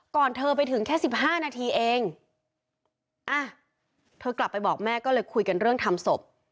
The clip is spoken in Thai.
เธอไปถึงแค่สิบห้านาทีเองอ่ะเธอกลับไปบอกแม่ก็เลยคุยกันเรื่องทำศพ